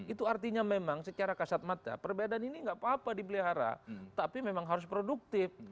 itu artinya memang secara kasat mata perbedaan ini nggak apa apa dipelihara tapi memang harus produktif